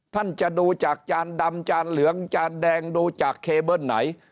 ท่านจะดูจากจานดำจานเหลืองจานแดงดูจากเคเบิ้ลไหน